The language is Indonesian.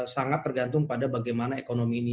sangat tergantung pada bagaimana ekonomi ini